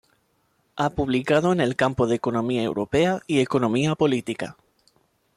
Ha publicado en el campo de economía europea y economía política.